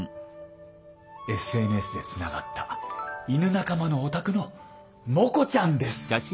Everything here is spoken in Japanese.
ＳＮＳでつながった犬仲間のお宅のモコちゃんです。